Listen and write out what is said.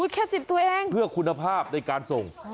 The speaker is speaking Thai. แค่๑๐ตัวเองเพื่อคุณภาพในการส่ง